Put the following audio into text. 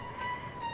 kata pak amin